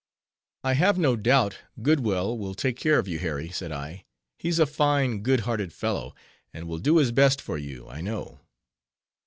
"I have no doubt, Goodwell will take care of you, Harry," said I, "he's a fine, good hearted fellow; and will do his best for you, I know."